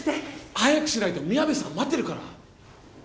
早くしないと宮部さん待ってるから！